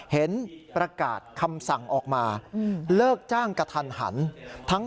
เห็นประกาศคำสั่งออกมาเลิกจ้างกระทันหัน